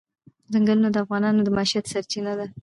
ځنګلونه د افغانانو د معیشت سرچینه ده.